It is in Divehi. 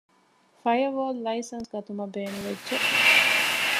ފަޔަރވޯލް ލައިސަންސް ގަތުމަށް ބޭނުންވެއްޖެ